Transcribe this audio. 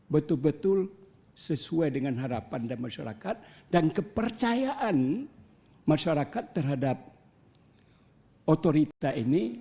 betul betul sesuai dengan harapan dan masyarakat dan kepercayaan masyarakat terhadap otorita ini